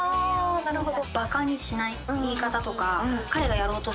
なるほど。